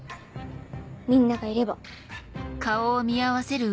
みんながいれば。